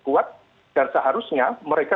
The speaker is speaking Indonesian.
kuat dan seharusnya mereka